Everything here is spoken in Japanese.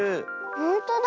ほんとだ。